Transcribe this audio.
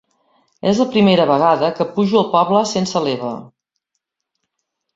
És la primera vegada que pujo al poble sense l'Eva.